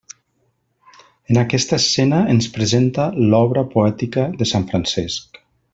En aquesta escena, ens presenta l'obra poètica de sant Francesc.